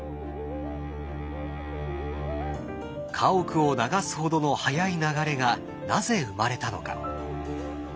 家屋を流すほどの速い流れがなぜ生まれたのか？